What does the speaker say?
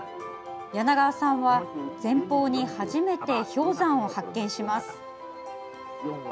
柳川さんは、前方に初めて氷山を発見します。